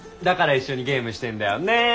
だから一緒にゲームしてんだよね。ね。